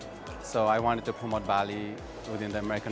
jadi saya ingin mempromosi bali di dalam pasar amerika